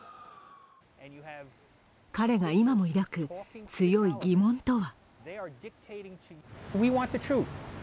彼が今も抱く強い疑問とは。